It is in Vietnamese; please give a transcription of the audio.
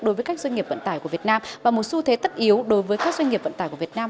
đối với các doanh nghiệp vận tải của việt nam và một xu thế tất yếu đối với các doanh nghiệp vận tải của việt nam